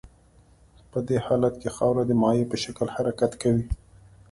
په دې حالت کې خاوره د مایع په شکل حرکت کوي